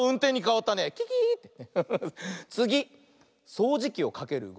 そうじきをかけるうごき。